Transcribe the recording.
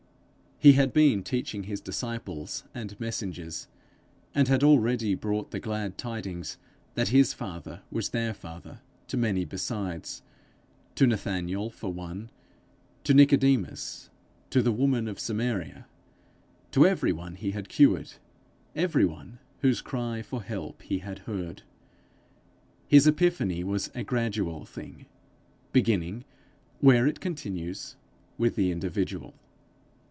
He had been teaching his disciples and messengers; and had already brought the glad tidings that his father was their father, to many besides to Nathanael for one, to Nicodemus, to the woman of Samaria, to every one he had cured, every one whose cry for help he had heard: his epiphany was a gradual thing, beginning, where it continues, with the individual.